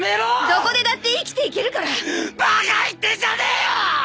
どこでだって生きていけるからバカ言ってんじゃねえよッ！